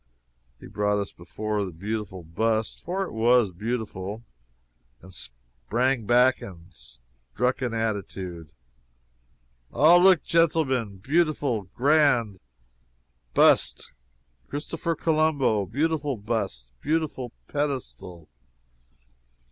He brought us before the beautiful bust for it was beautiful and sprang back and struck an attitude: "Ah, look, genteelmen! beautiful, grand, bust Christopher Colombo! beautiful bust, beautiful pedestal!"